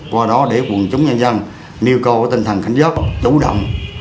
qua đó để quân chúng nhân dân nêu cầu tinh thần khánh giấc đủ động